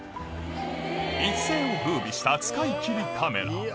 一世を風靡した使い切りカメラ